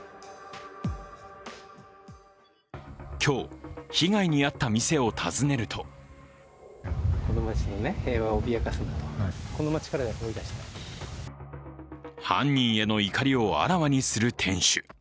今日、被害に遭った店を訪ねると犯人への怒りをあらわにする店主。